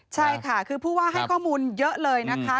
ใช่ค่ะคือผู้ว่าให้ข้อมูลเยอะเลยนะคะ